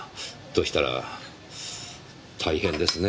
としたら大変ですねぇ。